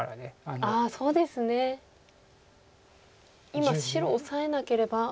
今白オサえなければ。